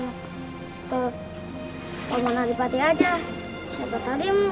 atau ngomong adik adik aja siapa tadi